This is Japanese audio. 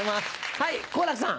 はい好楽さん。